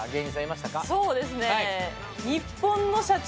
そうですね。